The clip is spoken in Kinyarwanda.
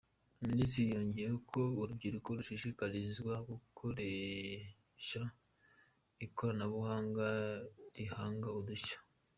Minisitiri yongeyeho ko urubyiruko rushishikarizwa gukoresha ikoranabuhanga rihanga udushya.